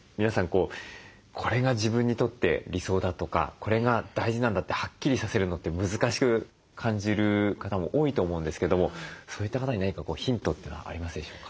こうこれが自分にとって理想だとかこれが大事なんだってはっきりさせるのって難しく感じる方も多いと思うんですけどもそういった方に何かヒントというのはありますでしょうか？